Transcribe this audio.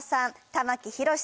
玉木宏さん